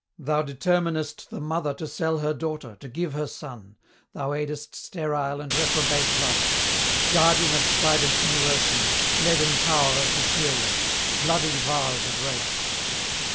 Thou determinest the mother to sell her daughter, to give her son; thou aidest sterile and reprobate loves; Guardian of strident Neuroses, Leaden Tower of Hysteria, bloody Vase of Rape!